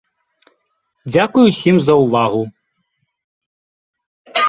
Дзякуй усім за ўвагу.